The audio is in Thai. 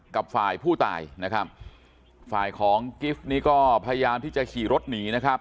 กับฝ่ายผู้ตายนะครับฝ่ายของกิฟต์นี้ก็พยายามที่จะขี่รถหนีนะครับ